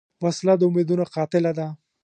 وسله د امیدونو قاتله ده